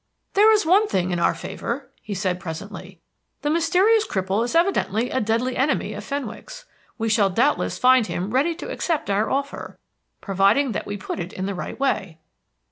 "There is one thing in our favor," he said, presently. "The mysterious cripple is evidently a deadly enemy of Fenwick's. We shall doubtless find him ready to accept our offer, provided that we put it in the right way."